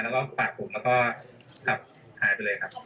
แล้วก็ฝากผมแล้วก็ขับหายไปเลยครับ